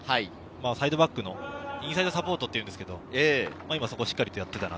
サイドバックのインサイドサポートっていうんですけれど、そこをしっかりやっていたな。